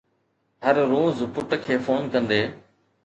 هر روز پٽ کي فون ڪندي